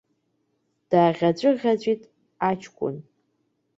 Дааӷьаҵәы-ӷьаҵәит аҷкәын.